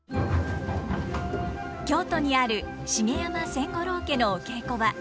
京都にある茂山千五郎家のお稽古場。